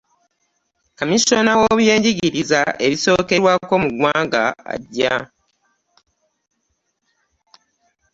Kaminsona w'ebyenjigiriza ebisookerwako mu ggwanga ajja.